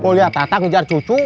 kau liat tatang ngejar cucu